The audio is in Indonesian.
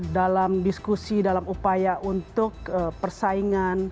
dalam diskusi dalam upaya untuk persaingan